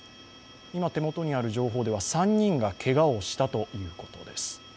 今、手元にある情報では３人がけがをしたということです。